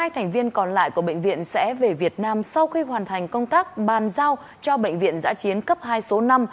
một mươi thành viên còn lại của bệnh viện sẽ về việt nam sau khi hoàn thành công tác bàn giao cho bệnh viện giã chiến cấp hai số năm